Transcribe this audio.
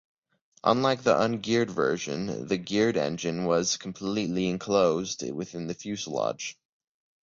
Unlike the ungeared version, the geared engine was completely enclosed within the fuselage.